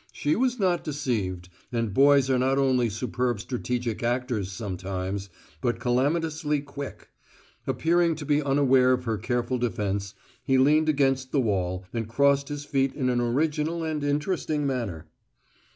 She was not deceived, and boys are not only superb strategic actors sometimes, but calamitously quick. Appearing to be unaware of her careful defence, he leaned against the wall and crossed his feet in an original and interesting manner.